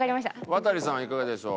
ワタリさんはいかがでしょう？